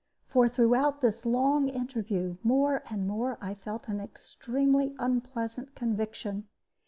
For throughout this long interview more and more I felt an extremely unpleasant conviction.